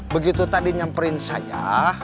begitu tadi nyemperin saya